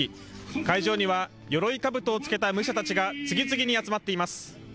会場にはよろいかぶとを着けた武者たちが次々に集まっています。